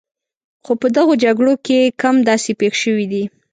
خو په دغو جګړو کې کم داسې پېښ شوي دي.